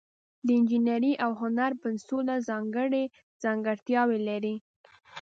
د انجینرۍ او هنر پنسلونه ځانګړي ځانګړتیاوې لري.